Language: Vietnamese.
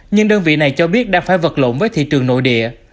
nhưng đơn vị này cho biết đang phải vật lộn với thị trường nội địa